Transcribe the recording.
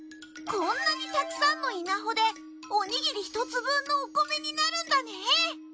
こんなにたくさんの稲穂でおにぎり１つ分のお米になるんだね。